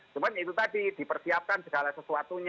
cuma itu tadi dipersiapkan segala sesuatunya